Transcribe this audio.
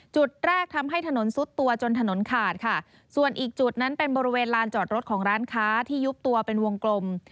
จุดแรกทำให้ถนนซุดตัวจนถนนขาดค่ะส่วนอีกจุดนั้นเป็นบริเวณลานจอดรถของร้านค้าที่ยุบตัวเป็นวงกลม